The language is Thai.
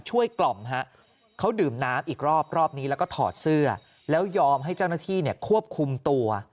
กล่อมฮะเขาดื่มน้ำอีกรอบรอบนี้แล้วก็ถอดเสื้อแล้วยอมให้เจ้าหน้าที่เนี่ยควบคุมตัว